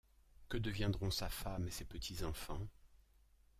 Que deviendront sa femme et ses petits enfants?